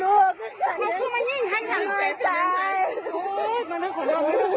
โมง